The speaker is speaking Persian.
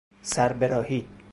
سر براهی